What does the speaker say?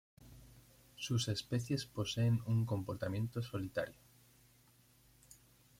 Sus especies poseen un comportamiento solitario.